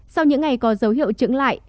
sau những ngày có dấu hiệu chứng lại